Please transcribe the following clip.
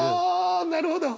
なるほど。